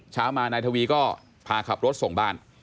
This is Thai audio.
เช้ามานายทวีก็พาขับรถส่งบ้าน